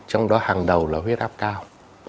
trong đó hàng đầu là huyết áp cao